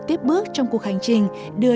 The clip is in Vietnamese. tiếp bước trong cuộc hành trình đưa